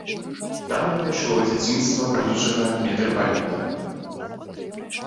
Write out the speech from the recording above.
Там і прайшло дзяцінства будучага мітрапаліта.